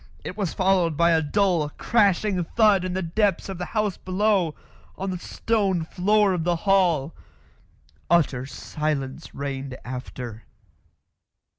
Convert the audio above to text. It was followed by a dull, crashing thud in the depths of the house below on the stone floor of the hall. Utter silence reigned after.